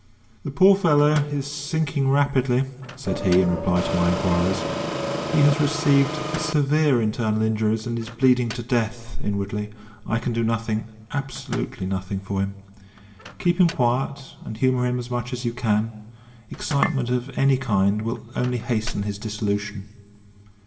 "The poor fellow is sinking rapidly," said he, in reply to my inquiries; "he has received severe internal injuries, and is bleeding to death inwardly. I can do nothing, absolutely nothing for him. Keep him quiet, and humour him as much as you can; excitement of any kind will only hasten his dissolution."